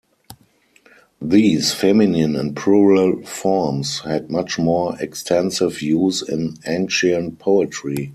These feminine and plural forms had much more extensive use in ancient poetry.